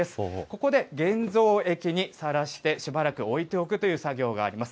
ここで現像液にさらして、しばらく置いておくという作業があります。